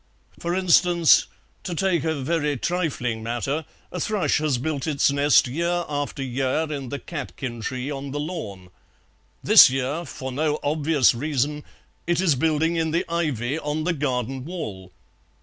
For instance, to take a very trifling matter, a thrush has built its nest year after year in the catkin tree on the lawn; this year, for no obvious reason, it is building in the ivy on the garden wall.